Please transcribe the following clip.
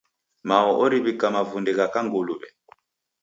Mao oriw'ika mavunde gha kanguluw'e.